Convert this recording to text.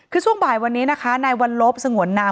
คือช่วงบ่ายวันนี้นะคะในวันลบสงวนนาม